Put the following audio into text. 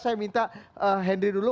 saya minta hendri dulu